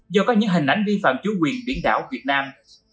do có những hình ảnh vi phạm chủ quyền biển đảo việt nam